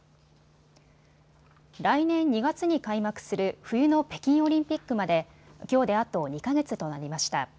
来年２月に開幕する冬の北京オリンピックまできょうであと２か月となりました。